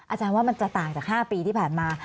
อาจารย์ว่ามันจะต่างจาก๕ปีที่ผ่านมา